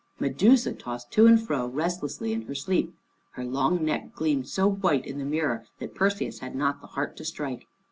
Medusa tossed to and fro restlessly in her sleep. Her long neck gleamed so white in the mirror that Perseus had not the heart to strike.